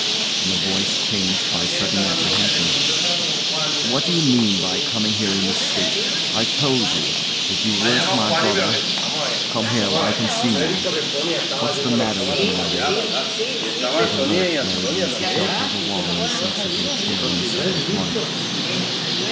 [In a voice changed by sudden apprehension] What do you mean by coming here in this state? I told you If you weren't my brother ! Come here, where I can we you! What's the matter with you, Larry? [With a lurch LARRY leaves the shelter of the wall and sinks into a chair in the circle of light.